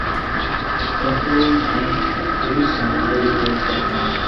Controlled and route monitoring was performed.